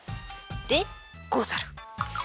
でござる。